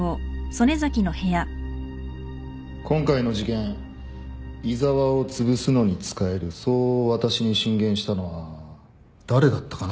今回の事件井沢をつぶすのに使えるそう私に進言したのは誰だったかな？